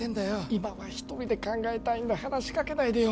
今は一人で考えたいんだ話しかけないでよ